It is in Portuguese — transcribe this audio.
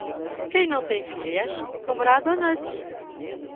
Quem não tem filhas comerá donuts.